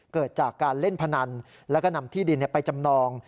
เกิดจากการเล่นพนันแล้วก็นำที่ดินไปจำนอง